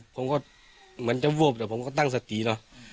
ผมก็เหมือนจะวูบแต่ผมก็ตั้งสติเนอะ